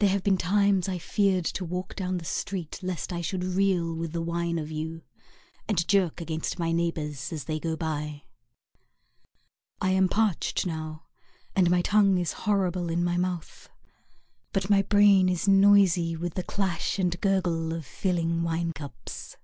There have been times I feared to walk down the street Lest I should reel with the wine of you, And jerk against my neighbours As they go by. I am parched now, and my tongue is horrible in my mouth, But my brain is noisy With the clash and gurgle of filling wine cups.